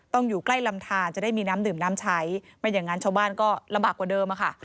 อยู่ใกล้ลำทานจะได้มีน้ำดื่มน้ำใช้ไม่อย่างนั้นชาวบ้านก็ลำบากกว่าเดิมค่ะ